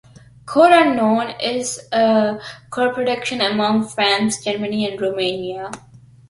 "Code Unknown" is a co-production among France, Germany and Romania.